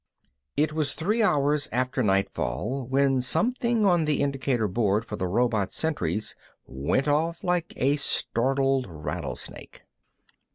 It was three hours after nightfall when something on the indicator board for the robot sentries went off like a startled rattlesnake.